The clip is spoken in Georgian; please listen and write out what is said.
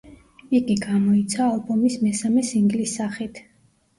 იგი გამოიცა ალბომის მესამე სინგლის სახით.